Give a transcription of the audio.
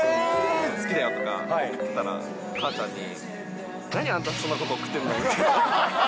好きだとか、送ったら、母ちゃんに、何あんた、そんなこと送ってんの？みたいな。